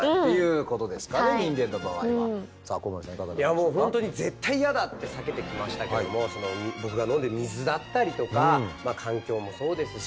いやもう本当に絶対嫌だって避けてきましたけども僕が飲んでる水だったりとか環境もそうですし